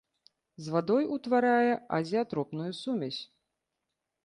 З вадой утварае азеатропную сумесь.